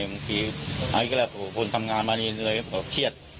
บางทีอันนี้ก็แหละคนทำงานมาเนี้ยเหนื่อยแบบเกลียด